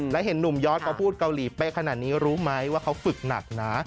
และเห็นหนุ่มยอดเขาพูดเกาหลีเป๊ะขนาดนี้รู้ไหมว่าเขาฝึกหนักนะ